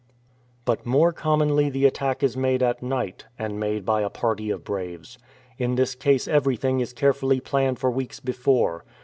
But more commonly the attack is made at night, and made by a party of braves. In this case everything is carefully planned for weeks before.